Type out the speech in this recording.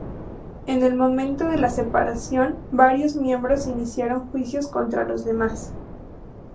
En el momento de la separación varios miembros iniciaron juicios contra los demás.